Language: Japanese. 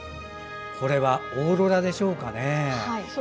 これはオーロラでしょうかね。